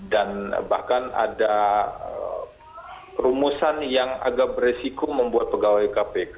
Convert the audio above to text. dan bahkan ada rumusan yang agak beresiko membuat pegawai kpk